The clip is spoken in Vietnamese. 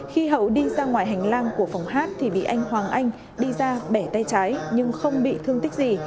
khi hậu đi ra ngoài hành lang của phòng hát thì bị anh hoàng anh đi ra bẻ tay trái nhưng không bị thương tích gì